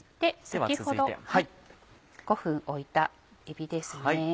先ほど５分置いたえびですね。